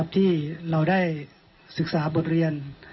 ที่เราได้ศึกษาบทเรียน